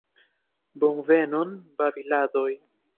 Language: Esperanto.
Bonvenon babiladoj.